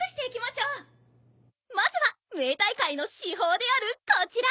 まずはムエタイ界の至宝であるこちら。